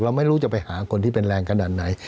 ไม่รู้จะไปหาคนที่เป็นแรงขนาดไหน